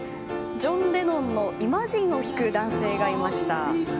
ジョン・レノンの「イマジン」を弾く男性がいました。